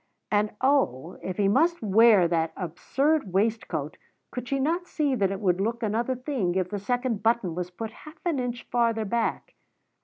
And oh, if he must wear that absurd waistcoat, could she not see that it would look another thing if the second button was put half an inch farther back?